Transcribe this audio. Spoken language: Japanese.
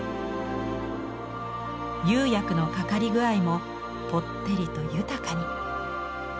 釉薬のかかり具合もぽってりと豊かに。